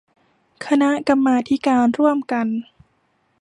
คณะกรรมาธิการร่วมกัน